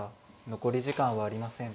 残り時間はありません。